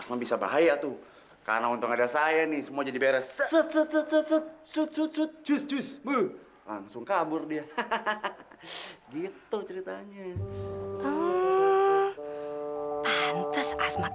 sampai jumpa di video selanjutnya